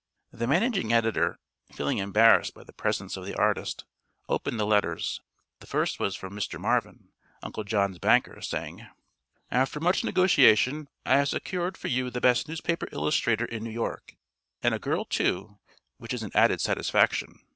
The managing editor, feeling embarrassed by the presence of the artist, opened the letters. The first was from Mr. Marvin, Uncle John's banker, saying: "After much negotiation I have secured for you the best newspaper illustrator in New York, and a girl, too, which is an added satisfaction.